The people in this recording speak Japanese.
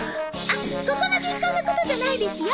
あっここの銀行のことじゃないですよ。